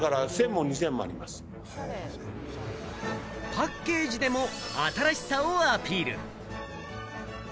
パッケージでも新しさをアピール。